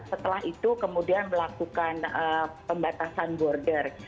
setelah itu kemudian melakukan pembatasan border